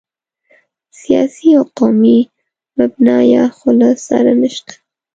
سیاسي او قومي مبنا یا خو له سره نشته.